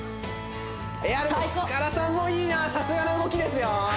最高塚田さんもいいなさすがの動きですよ